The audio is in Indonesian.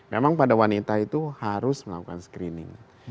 memang pada wanita itu harus melakukan screening